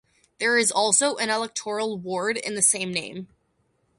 There is also an electoral ward in the same name.